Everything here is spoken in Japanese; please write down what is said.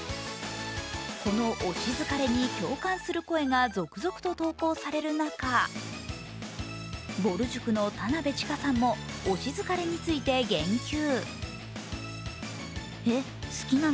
この推し疲れに共感する声が続々と投稿されるなか、ぼる塾の田辺智加さんも、推し疲れについて言及。